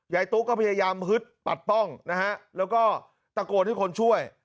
ตุ๊กก็พยายามฮึดปัดป้องนะฮะแล้วก็ตะโกนให้คนช่วย